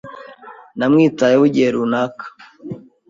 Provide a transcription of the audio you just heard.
Namwitayeho igihe runaka.